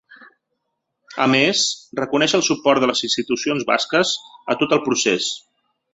A més, reconeix el suport de les institucions basques a tot el procés.